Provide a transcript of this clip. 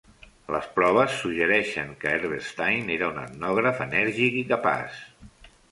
Les proves suggereixen que Herberstein era un etnògraf enèrgic i capaç.